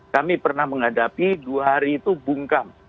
kami pernah menghadapi dua hari itu bungkam